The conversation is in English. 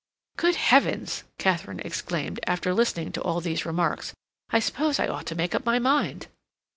"Good Heavens!" Katharine exclaimed, after listening to all these remarks, "I suppose I ought to make up my mind."